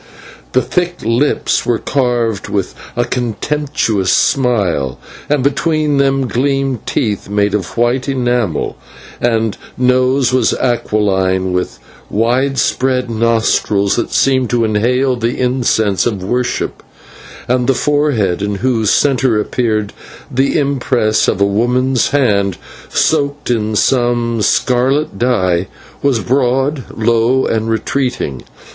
The thick lips were curved with a contemptuous smile, and between them gleamed teeth made of white enamel; the nose was aquiline, with widespread nostrils that seemed to inhale the incense of worship; and the forehead, in whose centre appeared the impress of a woman's hand soaked in some scarlet dye, was broad, low, and retreating.